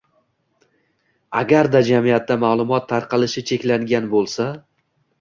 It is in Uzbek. Agarda jamiyatda maʼlumot tarqalishi cheklangan bo‘lsa